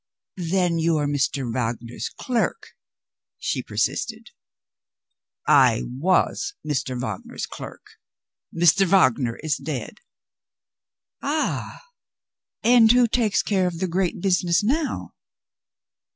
"Then you are Mr. Wagner's clerk?" she persisted. "I was Mr. Wagner's clerk. Mr. Wagner is dead." "Ha! And who takes care of the great business now?"